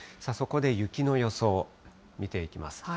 そこで雪の予想、見ていきます。